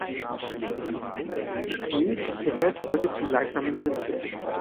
Diksmuide gehört heute zum gleichnamigen Bezirk.